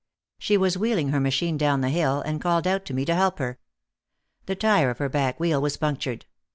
She was wheeling her machine down the hill, and called out to me to help her. The tyre of her back wheel was punctured.